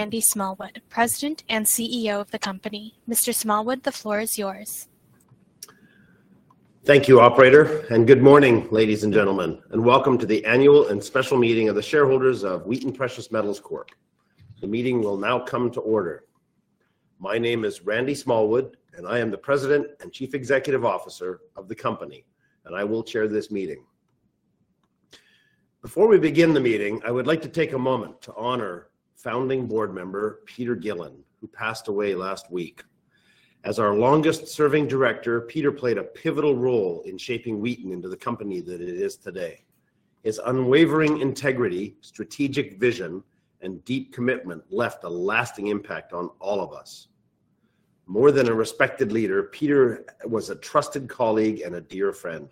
Randy Smallwood, President and CEO of the company. Mr. Smallwood, the floor is yours. Thank you, Operator, and good morning, ladies and gentlemen, and welcome to the annual and special meeting of the shareholders of Wheaton Precious Metals Corp. The meeting will now come to order. My name is Randy Smallwood, and I am the President and Chief Executive Officer of the company, and I will chair this meeting. Before we begin the meeting, I would like to take a moment to honor founding board member Peter Gillin, who passed away last week. As our longest-serving director, Peter played a pivotal role in shaping Wheaton into the company that it is today. His unwavering integrity, strategic vision, and deep commitment left a lasting impact on all of us. More than a respected leader, Peter was a trusted colleague and a dear friend.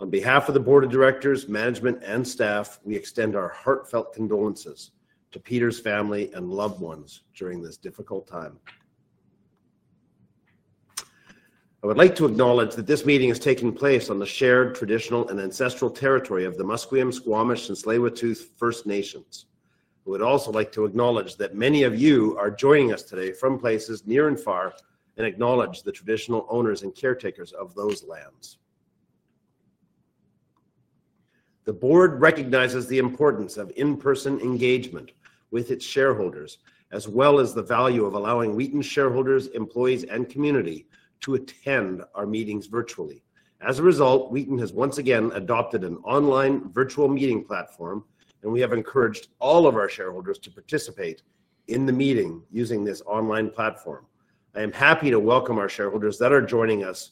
On behalf of the board of directors, management, and staff, we extend our heartfelt condolences to Peter's family and loved ones during this difficult time. I would like to acknowledge that this meeting is taking place on the shared traditional and ancestral territory of the Musqueam, Squamish, and Tsleil-Waututh First Nations, but would also like to acknowledge that many of you are joining us today from places near and far and acknowledge the traditional owners and caretakers of those lands. The board recognizes the importance of in-person engagement with its shareholders, as well as the value of allowing Wheaton shareholders, employees, and community to attend our meetings virtually. As a result, Wheaton has once again adopted an online virtual meeting platform, and we have encouraged all of our shareholders to participate in the meeting using this online platform. I am happy to welcome our shareholders that are joining us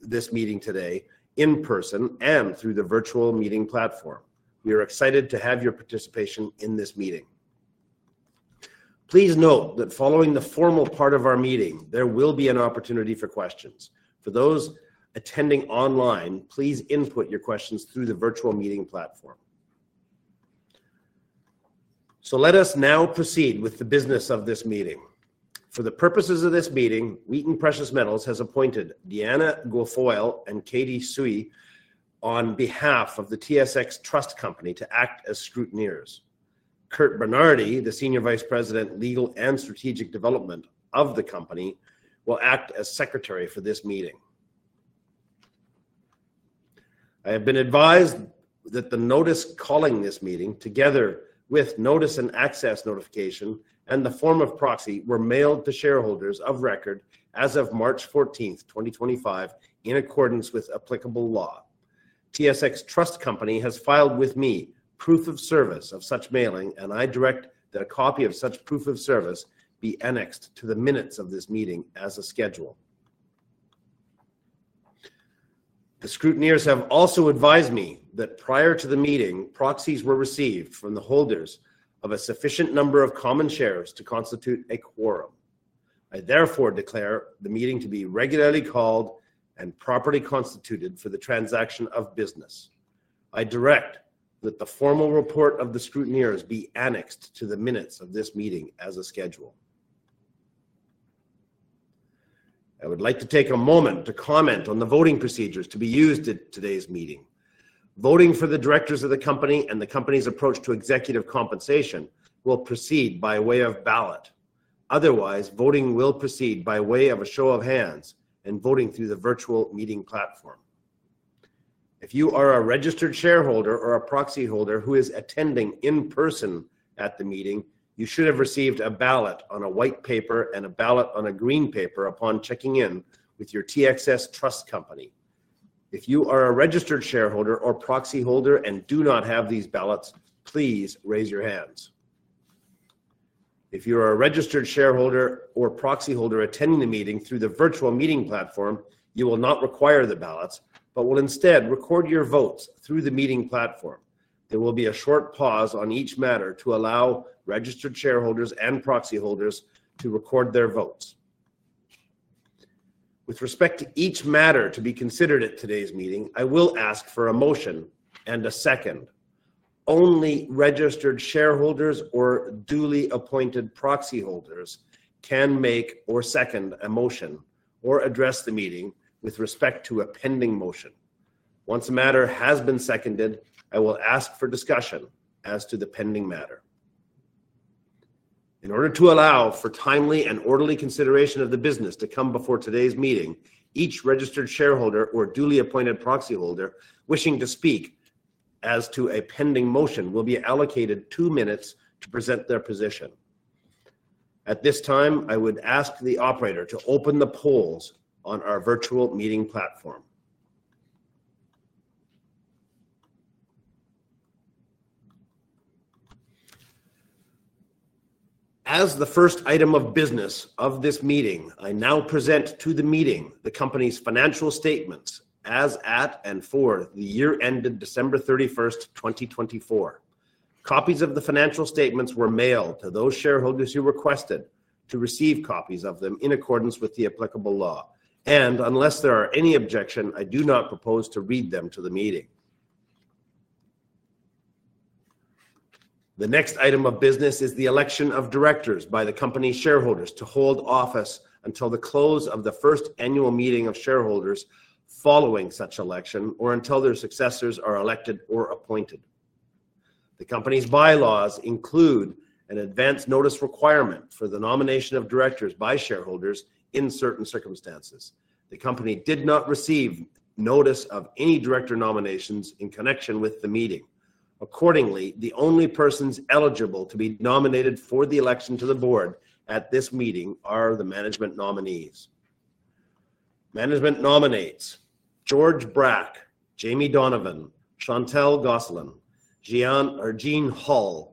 this meeting today in person and through the virtual meeting platform. We are excited to have your participation in this meeting. Please note that following the formal part of our meeting, there will be an opportunity for questions. For those attending online, please input your questions through the virtual meeting platform. Let us now proceed with the business of this meeting. For the purposes of this meeting, Wheaton Precious Metals has appointed Deanna Guilfoyle and Katie Sui on behalf of the TSX Trust Company to act as scrutineers. Curt Bernardi, the Senior Vice President, Legal and Strategic Development of the company, will act as Secretary for this meeting. I have been advised that the notice calling this meeting, together with notice and access notification and the form of proxy, were mailed to shareholders of record as of March 14, 2025, in accordance with applicable law. TSX Trust Company has filed with me proof of service of such mailing, and I direct that a copy of such proof of service be annexed to the minutes of this meeting as a schedule. The scrutineers have also advised me that prior to the meeting, proxies were received from the holders of a sufficient number of common shares to constitute a quorum. I therefore declare the meeting to be regularly called and properly constituted for the transaction of business. I direct that the formal report of the scrutineers be annexed to the minutes of this meeting as a schedule. I would like to take a moment to comment on the voting procedures to be used at today's meeting. Voting for the directors of the company and the company's approach to executive compensation will proceed by way of ballot. Otherwise, voting will proceed by way of a show of hands and voting through the virtual meeting platform. If you are a registered shareholder or a proxy holder who is attending in person at the meeting, you should have received a ballot on a white paper and a ballot on a green paper upon checking in with your TSX Trust Company. If you are a registered shareholder or proxy holder and do not have these ballots, please raise your hands. If you are a registered shareholder or proxy holder attending the meeting through the virtual meeting platform, you will not require the ballots but will instead record your votes through the meeting platform. There will be a short pause on each matter to allow registered shareholders and proxy holders to record their votes. With respect to each matter to be considered at today's meeting, I will ask for a motion and a second. Only registered shareholders or duly appointed proxy holders can make or second a motion or address the meeting with respect to a pending motion. Once a matter has been seconded, I will ask for discussion as to the pending matter. In order to allow for timely and orderly consideration of the business to come before today's meeting, each registered shareholder or duly appointed proxy holder wishing to speak as to a pending motion will be allocated two minutes to present their position. At this time, I would ask the Operator to open the polls on our virtual meeting platform. As the first item of business of this meeting, I now present to the meeting the company's financial statements as at and for the year ended December 31st, 2024. Copies of the financial statements were mailed to those shareholders who requested to receive copies of them in accordance with the applicable law. Unless there are any objections, I do not propose to read them to the meeting. The next item of business is the election of directors by the company's shareholders to hold office until the close of the first annual meeting of shareholders following such election or until their successors are elected or appointed. The company's bylaws include an advance notice requirement for the nomination of directors by shareholders in certain circumstances. The company did not receive notice of any director nominations in connection with the meeting. Accordingly, the only persons eligible to be nominated for the election to the board at this meeting are the management nominees. Management nominates George Brack, Jamie Donovan, Chantal Gosselin, Charle Jeannes,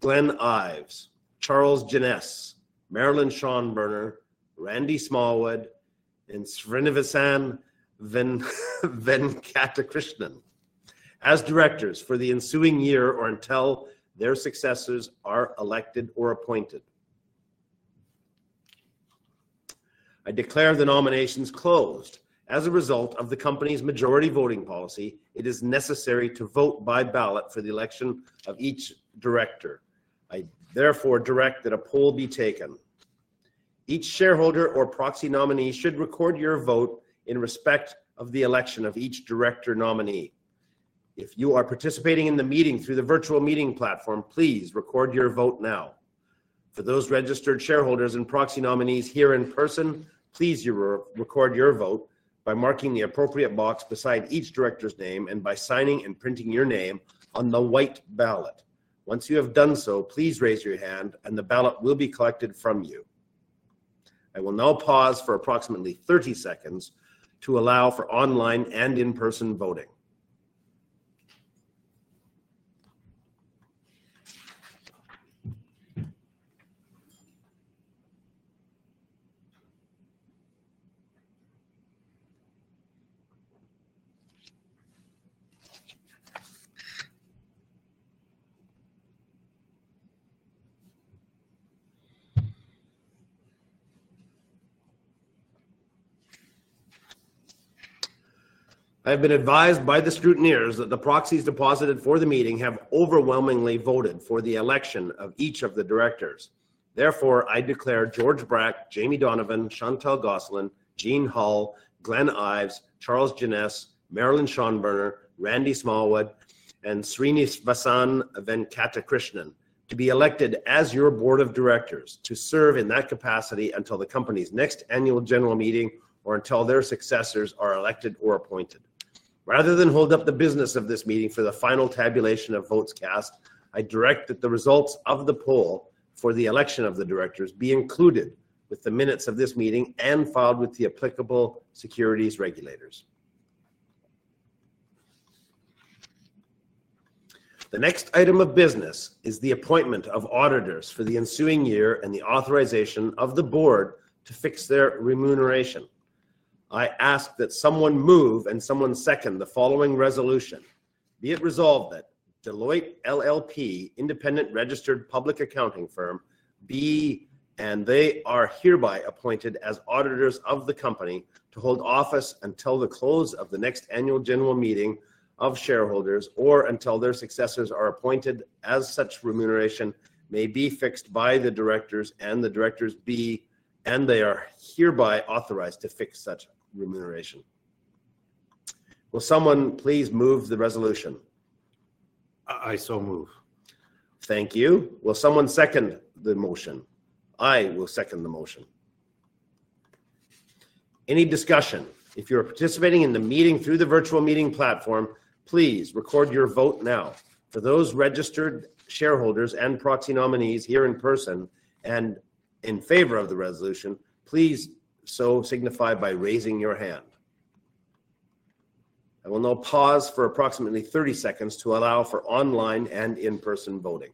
Glen Ives, Charles Jeannes, Marilyn Schonberner, Randy Smallwood, and Srinivasan Venkatakrishnan as directors for the ensuing year or until their successors are elected or appointed. I declare the nominations closed. As a result of the company's majority voting policy, it is necessary to vote by ballot for the election of each director. I therefore direct that a poll be taken. Each shareholder or proxy nominee should record your vote in respect of the election of each director nominee. If you are participating in the meeting through the virtual meeting platform, please record your vote now. For those registered shareholders and proxy nominees here in person, please record your vote by marking the appropriate box beside each director's name and by signing and printing your name on the white ballot. Once you have done so, please raise your hand, and the ballot will be collected from you. I will now pause for approximately 30 seconds to allow for online and in-person voting. I have been advised by the scrutineers that the proxies deposited for the meeting have overwhelmingly voted for the election of each of the directors. Therefore, I declare George Brack, Jamie Donovan, Chantal Gosselin, Jodie Hoadley, Glen Ives, Charles Jeannes, Marilyn Schonberner, Randy Smallwood, and Srinivasan Venkatakrishnan to be elected as your board of directors to serve in that capacity until the company's next annual general meeting or until their successors are elected or appointed. Rather than hold up the business of this meeting for the final tabulation of votes cast, I direct that the results of the poll for the election of the directors be included with the minutes of this meeting and filed with the applicable securities regulators. The next item of business is the appointment of auditors for the ensuing year and the authorization of the board to fix their remuneration. I ask that someone move and someone second the following resolution. Be it resolved that Deloitte LLP, Independent Registered Public Accounting Firm, be and they are hereby appointed as auditors of the company to hold office until the close of the next annual general meeting of shareholders or until their successors are appointed as such remuneration may be fixed by the directors and the directors be and they are hereby authorized to fix such remuneration. Will someone please move the resolution? I so move. Thank you. Will someone second the motion? I will second the motion. Any discussion? If you are participating in the meeting through the virtual meeting platform, please record your vote now. For those registered shareholders and proxy nominees here in person and in favor of the resolution, please so signify by raising your hand. I will now pause for approximately 30 seconds to allow for online and in-person voting.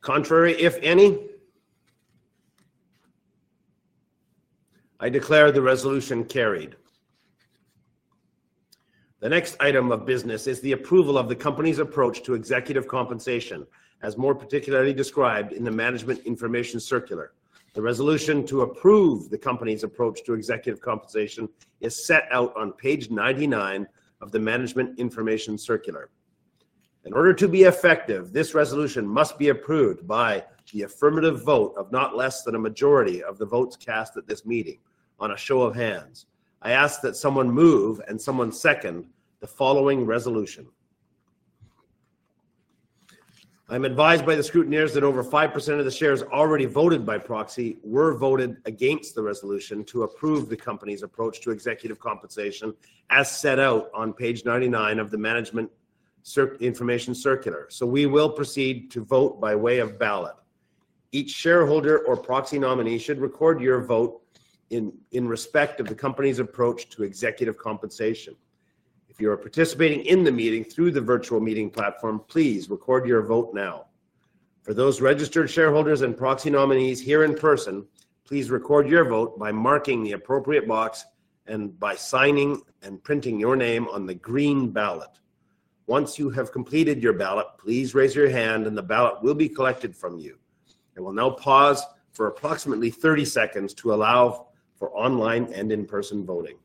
Contrary, if any? I declare the resolution carried. The next item of business is the approval of the company's approach to executive compensation, as more particularly described in the management information circular. The resolution to approve the company's approach to executive compensation is set out on page 99 of the management information circular. In order to be effective, this resolution must be approved by the affirmative vote of not less than a majority of the votes cast at this meeting on a show of hands. I ask that someone move and someone second the following resolution. I'm advised by the scrutineers that over 5% of the shares already voted by proxy were voted against the resolution to approve the company's approach to executive compensation as set out on page 99 of the management information circular. So we will proceed to vote by way of ballot. Each shareholder or proxy nominee should record your vote in respect of the company's approach to executive compensation. If you are participating in the meeting through the virtual meeting platform, please record your vote now. For those registered shareholders and proxy nominees here in person, please record your vote by marking the appropriate box and by signing and printing your name on the green ballot. Once you have completed your ballot, please raise your hand, and the ballot will be collected from you. I will now pause for approximately 30 seconds to allow for online and in-person voting.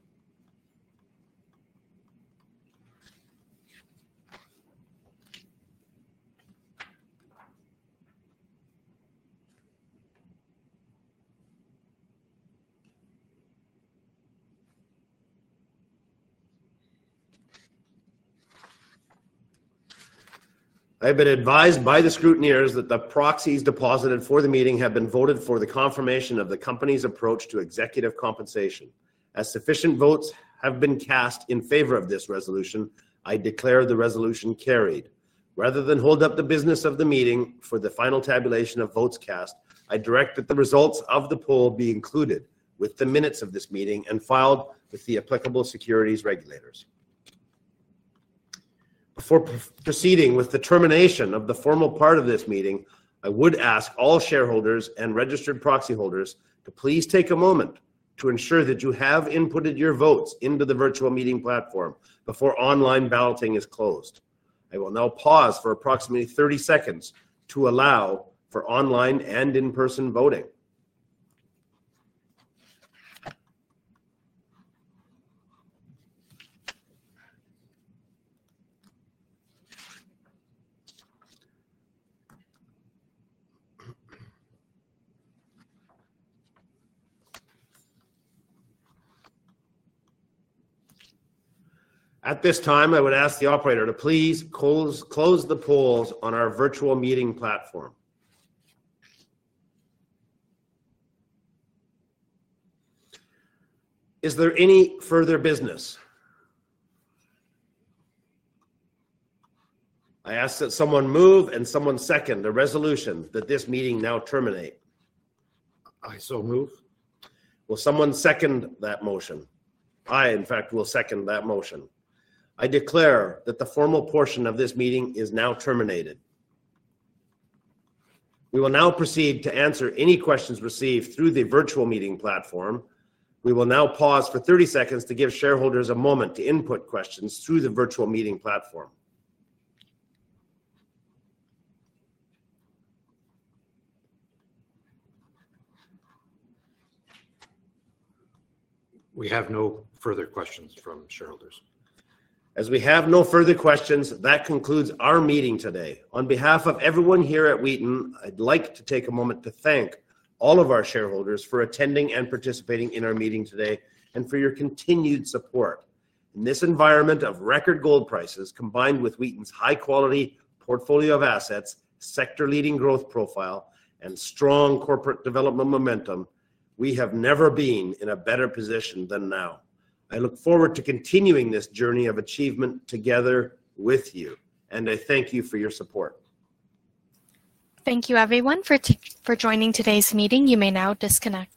I have been advised by the scrutineers that the proxies deposited for the meeting have been voted for the confirmation of the company's approach to executive compensation. As sufficient votes have been cast in favor of this resolution, I declare the resolution carried. Rather than hold up the business of the meeting for the final tabulation of votes cast, I direct that the results of the poll be included with the minutes of this meeting and filed with the applicable securities regulators. Before proceeding with the termination of the formal part of this meeting, I would ask all shareholders and registered proxy holders to please take a moment to ensure that you have inputted your votes into the virtual meeting platform before online balloting is closed. I will now pause for approximately 30 seconds to allow for online and in-person voting. At this time, I would ask the Operator to please close the polls on our virtual meeting platform. Is there any further business? I ask that someone move and someone second the resolution that this meeting now terminate. I so move. Will someone second that motion? I, in fact, will second that motion. I declare that the formal portion of this meeting is now terminated. We will now proceed to answer any questions received through the virtual meeting platform. We will now pause for 30 seconds to give shareholders a moment to input questions through the virtual meeting platform. We have no further questions from shareholders. As we have no further questions, that concludes our meeting today. On behalf of everyone here at Wheaton, I'd like to take a moment to thank all of our shareholders for attending and participating in our meeting today and for your continued support. In this environment of record gold prices combined with Wheaton's high-quality portfolio of assets, sector-leading growth profile, and strong corporate development momentum, we have never been in a better position than now. I look forward to continuing this journey of achievement together with you, and I thank you for your support. Thank you, everyone, for joining today's meeting. You may now disconnect.